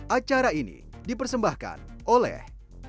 acara ini dipersembahkan oleh